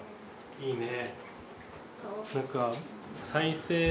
いいね。